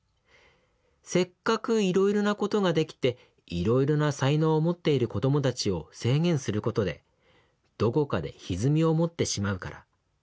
せっかくいろいろなことができていろいろな才能を持っている子どもたちを制限することでどこかでひずみを持ってしまうから。